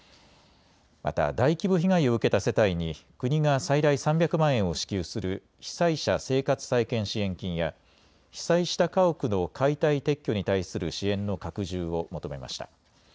また大規模被害を受けた世帯に国が最大３００万円を支給する被災者生活再建支援金や被災した家屋の解体・撤去に対する支援の拡充を求めました。